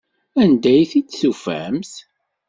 Anda ay t-id-tufamt?